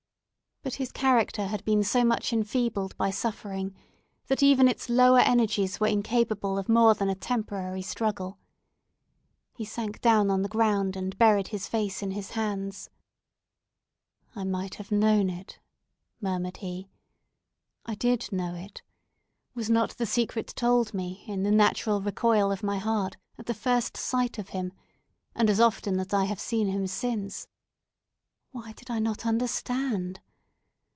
But his character had been so much enfeebled by suffering, that even its lower energies were incapable of more than a temporary struggle. He sank down on the ground, and buried his face in his hands. "I might have known it," murmured he—"I did know it! Was not the secret told me, in the natural recoil of my heart at the first sight of him, and as often as I have seen him since? Why did I not understand?